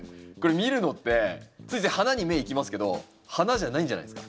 見るのってついつい花に目いきますけど花じゃないんじゃないですか？